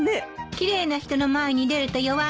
奇麗な人の前に出ると弱いのよ。